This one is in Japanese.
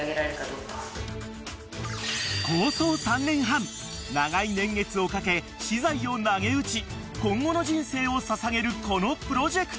［構想３年半長い年月をかけ私財をなげうち今後の人生を捧げるこのプロジェクト］